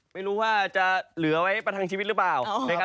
ไม่รู้ว่าจะเหลือไว้ในชีวิตหรือเปล่า